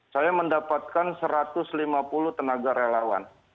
saya mendapatkan satu ratus lima puluh tenaga relawan